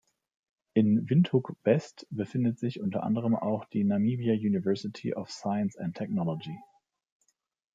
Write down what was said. In Windhoek-West befindet sich unter anderem auch die Namibia University of Science and Technology.